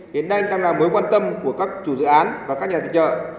đến nay đang là mối quan tâm của các chủ dự án và các nhà tài trợ